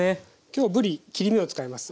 今日ぶり切り身を使います。